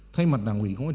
thay mặt đảng ủy công an